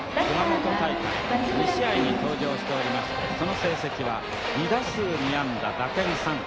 熊本大会２試合に登場しておりましてその成績は２打数２安打打点３。